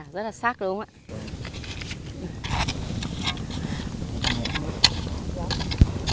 rất là sắc đúng không ạ